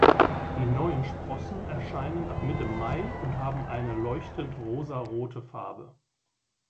Die neuen Sprossen erscheinen ab Mitte Mai und haben eine leuchtend rosarote Farbe.